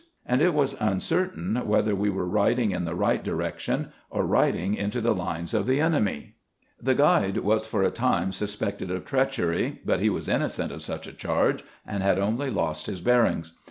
A MIDNIGHT BIDE 81 it was uncertain whether we were going in the right direction or riding into the lines of the enemy. The gnide was for a time suspected of treachery, but he was innocent of such a charge, and had only lost his bear ings.